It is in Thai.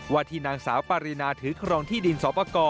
ว่าที่นางสาวปารีนาถือครองที่ดินสอปกร